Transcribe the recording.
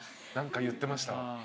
何か言ってました。